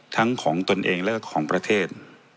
ทั้งของตนเองและของประเทศ